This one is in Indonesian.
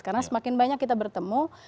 karena semakin banyak kita bertemu